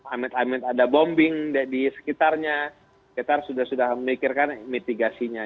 amit amit ada bombing di sekitarnya kita sudah sudah memikirkan mitigasinya